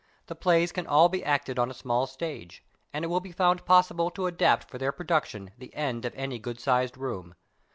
The Plays can all be acted on a small stage, and it will be found possible to adapt for their production the end of any good sized room.